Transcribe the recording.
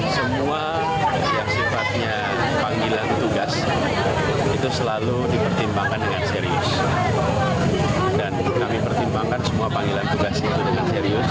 semua panggilan tugas itu dengan serius dan kemudian nanti kita ambil keputusan